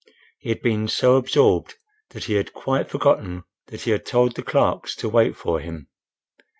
He had been so absorbed that he had quite forgotten that he had told the clerks to wait for him.